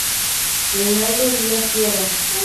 Reinaldo Elías Sierra.